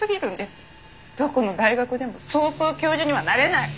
どこの大学でもそうそう教授にはなれない！